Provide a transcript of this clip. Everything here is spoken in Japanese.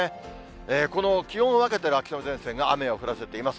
この気温を分けてる秋雨前線が雨を降らせています。